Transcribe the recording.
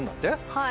はい。